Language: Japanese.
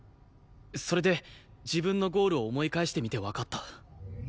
それで自分のゴールを思い返してみてわかった。